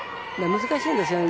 難しいですよね。